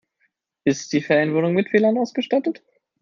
Ist die Ferienwohnung mit WLAN ausgestattet?